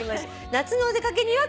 「夏のお出かけには」